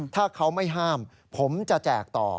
ถ้าเขาไม่ห้ามผมจะแจกต่อ